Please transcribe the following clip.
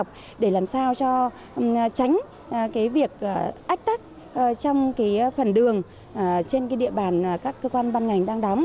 phần đường trên địa bàn các cơ quan ban ngành đang đóng